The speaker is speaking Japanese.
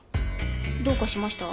どうかしました？